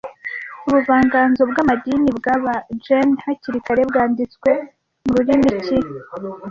Ubuvanganzo bw’amadini bwaba Jain hakiri kare bwanditswe mururimi ki